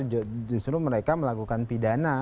justru mereka melakukan pidana